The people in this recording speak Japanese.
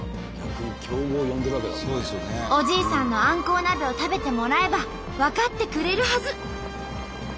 おじいさんのあんこう鍋を食べてもらえば分かってくれるはず。